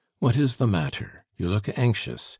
"What is the matter? You look anxious.